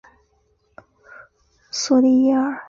索利耶尔。